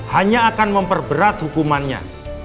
hanya akan memperberat hukumannya